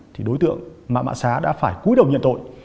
thì đối tượng mạng mạng xá đã phải cuối đầu nhận tội